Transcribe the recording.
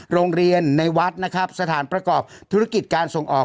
โรงเรียนในวัดนะครับสถานประกอบธุรกิจการส่งออก